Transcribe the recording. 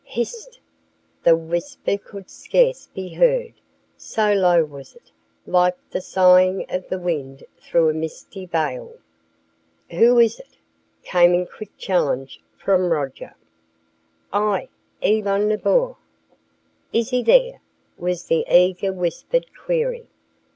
"Hist!" The whisper could scarce be heard, so low was it, like the sighing of the wind through a misty veil. "Who is it?" came in quick challenge from Roger. "I Yvonne Lebeau!" "Is he there?" was the eager whispered query.